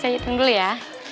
saya hitung dulu ya